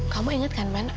kamu ingat kan man